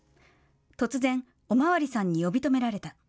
突然、お巡りさんに呼び止められた。